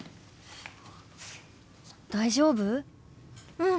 うん。